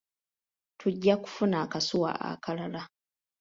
Tujja kufuna akasuwa akalala.